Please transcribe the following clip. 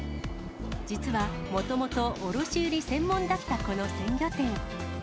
実は、もともと卸売り専門だったこの鮮魚店。